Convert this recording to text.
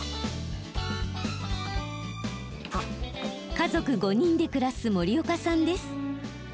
家族５人で暮らす森岡さんです。